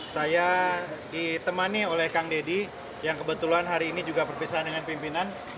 saya ditemani oleh kang deddy yang kebetulan hari ini juga perpisahan dengan pimpinan